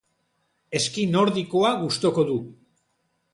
Eski nordikoa gustuko du.